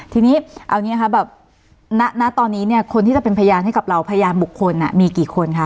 ทีนี้เอาอย่างนี้นะคะแบบณตอนนี้เนี่ยคนที่จะเป็นพยานให้กับเราพยานบุคคลมีกี่คนคะ